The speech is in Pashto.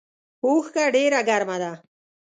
اوښکه ډیره ګرمه ده